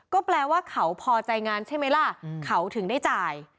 ก็แปลว่าเขาพอใจงานใช่ไหมล่ะเขาถึงได้จ่าย